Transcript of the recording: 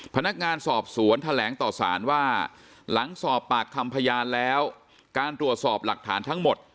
พนักงานสอบสวนแถลงต่อสารว่าหลังสอบปากคำพยานแล้วการตรวจสอบหลักฐานทั้งหมด